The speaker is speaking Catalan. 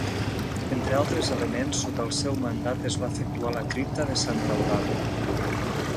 Entre altres elements, sota el seu mandat es va efectuar la cripta de santa Eulàlia.